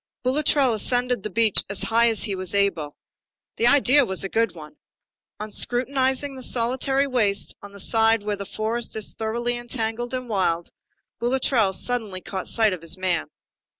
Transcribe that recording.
Boulatruelle ascended the beech as high as he was able. The idea was a good one. On scrutinizing the solitary waste on the side where the forest is thoroughly entangled and wild, Boulatruelle suddenly caught sight of his man.